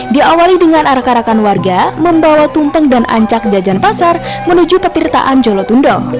diawali dengan arah arahkan warga membawa tumpeng dan ancak jajan pasar menuju pertirtaan jolotundo